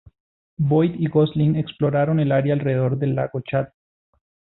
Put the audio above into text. Boyd y Gosling exploraron el área alrededor del lago Chad.